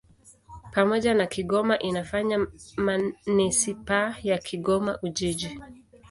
Pamoja na Kigoma inafanya manisipaa ya Kigoma-Ujiji.